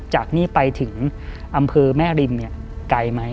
จากนี้ไปถึงอำเภอแม่ริมไกลไหม